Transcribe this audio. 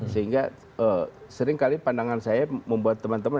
sehingga sering kali pandangan saya membuat teman teman